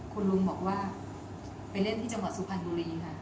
คุณลุงบอกว่าไปเล่นที่จังหวัดสุพรรณบุรีค่ะ